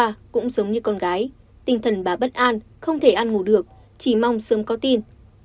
và cũng giống như con gái tinh thần bà bất an không thể ăn ngủ được chỉ mong sớm có tin